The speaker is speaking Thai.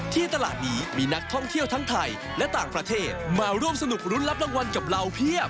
ที่ตลาดนี้มีนักท่องเที่ยวทั้งไทยและต่างประเทศมาร่วมสนุกรุ้นรับรางวัลกับเราเพียบ